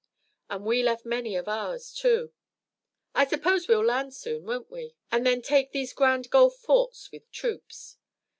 "And we left many of ours, too. I suppose we'll land soon, won't we, and then take these Grand Gulf forts with troops."